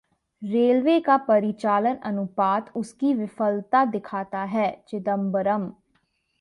railway का परिचालन अनुपात उसकी विफलता दिखाता है: चिदंबरम